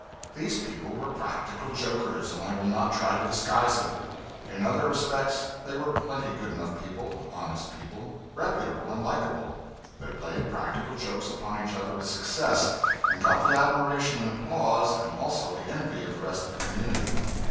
These people were practical jokers, and I will not try to disguise it. In other respects they were plenty good enough people; honest people; reputable and likable. They played practical jokes upon each other with success, and got the admiration and applause and also the envy of the rest of the community.